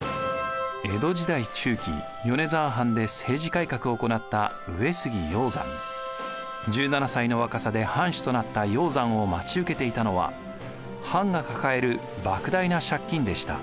江戸時代中期米沢藩で政治改革を行った１７歳の若さで藩主となった鷹山を待ち受けていたのは藩が抱える莫大な借金でした。